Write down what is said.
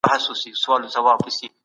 په کورني چاپیریال کې ماشوم ته زیان.